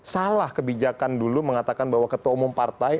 salah kebijakan dulu mengatakan bahwa ketua umum partai